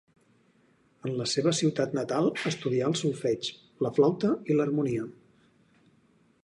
En la seva ciutat natal estudià el solfeig, la flauta i l'harmonia.